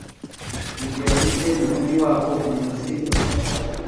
Mugihe bafite mumujyi wabo umurozi uzwi